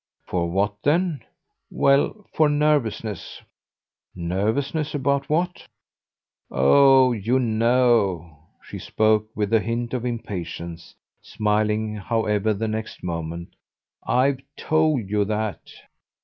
"For what then?" "Well for nervousness." "Nervousness about what?" "Oh you know!" She spoke with a hint of impatience, smiling however the next moment. "I've told you that."